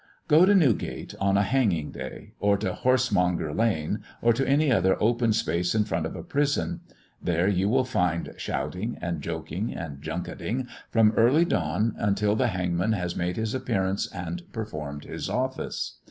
Go to Newgate on a hanging day, or to Horsemonger Lane, or to any other open space in front of a prison; there you will find shouting, and joking, and junketting, from early dawn until the hangman has made his appearance and performed his office.